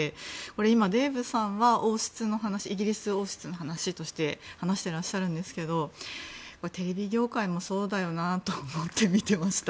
今、デーブさんはイギリス王室の話として話してらっしゃるんですけどテレビ業界もそうだよなと思って見てました。